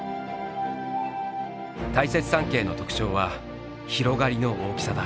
大雪山系の特徴は広がりの大きさだ。